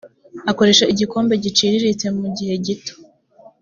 akoresha igikombe giciriritse mu igihe gito .